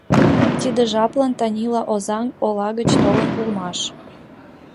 Тиде жаплан Танила Озаҥ ола гыч толын улмаш.